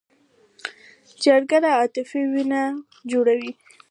جګړه د عاطفې وینه وچوي